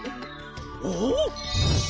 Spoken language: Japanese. おっ！